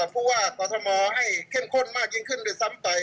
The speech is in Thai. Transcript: ผู้ว่ากอทมให้เข้มข้นมากยิ่งขึ้นด้วยซ้ำไป